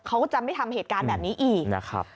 เขาก็จะไม่ทำเหตุการณ์แบบนี้อีกนะครับ